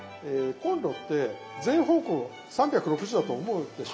コンロって全方向３６０度だと思うでしょう？